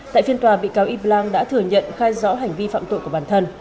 tại phiên tòa bị cáo yip lang đã thừa nhận khai rõ hành vi phạm tội của bản thân